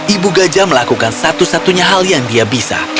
ibu gajah melakukan satu satunya hal yang dia bisa